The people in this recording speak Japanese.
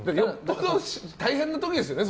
大変な時ですよね。